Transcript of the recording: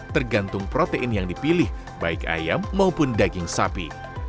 tergantung protein yang dipilih baik ayam maupun daging sapi